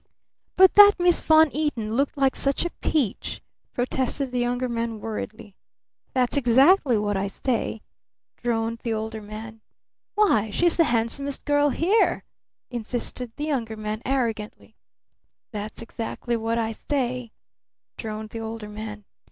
"But that Miss Von Eaton looked like such a peach!" protested the Younger Man worriedly. "That's exactly what I say," droned the Older Man. "Why, she's the handsomest girl here!" insisted the Younger Man arrogantly. "That's exactly what I say," droned the Older Man.